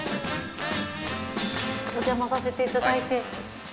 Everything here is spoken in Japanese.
おじゃまさせていただいて。